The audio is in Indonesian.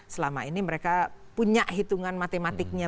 selama ini mereka punya hitungan matematiknya